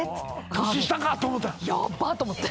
年下かと思った？